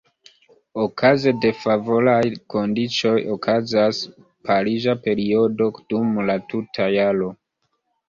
Okaze de favoraj kondiĉoj okazas pariĝa periodo dum la tuta jaro.